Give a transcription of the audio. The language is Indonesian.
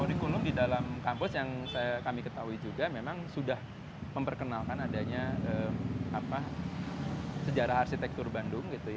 kurikulum di dalam kampus yang kami ketahui juga memang sudah memperkenalkan adanya sejarah arsitektur bandung